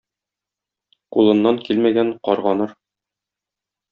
Кулыннан килмәгән карганыр.